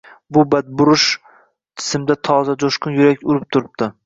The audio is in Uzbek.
Bu badburush jismda toza, jo`shqin yurak urib turibdi